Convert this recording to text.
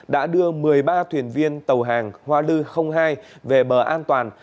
đã đưa một mươi ba thuyền viên tàu hàng hoa lư hai về bờ an toàn